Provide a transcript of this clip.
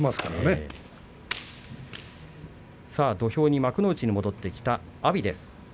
幕内に戻ってきた阿炎です。